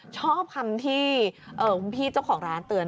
ชอบคำที่คุณพี่เจ้าของร้านเตือน